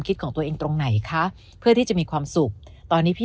ของตัวเองตรงไหนคะเพื่อที่จะมีความสุขตอนนี้พี่